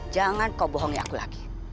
jangan kau bohongi aku lagi